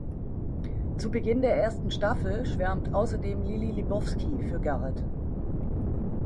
Zu Beginn der ersten Staffel schwärmt außerdem Lily Lebowski für Garret.